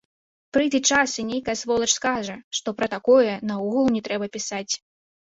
Прыйдзе час і нейкая сволач скажа, што пра такое наогул не трэба пісаць.